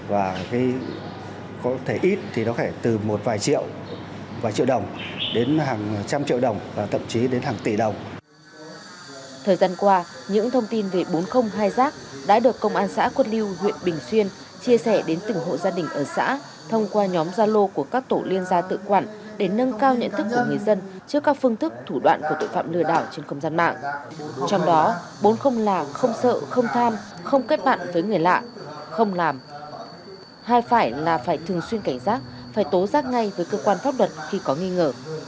và có thể ít thì nó có thể từ một vài triệu vài triệu đồng đến hàng trăm triệu đồng và thậm chí đến hàng tỷ đồng